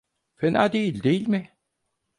Fena değil, değil mi?